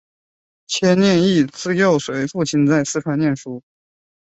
蹇念益自幼随父亲在四川念书。